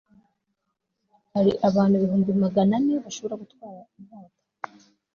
bari abantu ibihumbi magana ane bashobora gutwara inkota